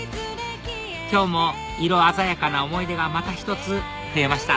今日も色鮮やかな思い出がまた１つ増えました